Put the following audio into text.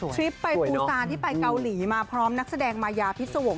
ริปไปภูซานที่ไปเกาหลีมาพร้อมนักแสดงมายาพิษวงศ